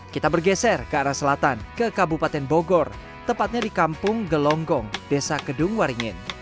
kita bergeser ke arah selatan ke kabupaten bogor tepatnya di kampung gelonggong desa kedung waringin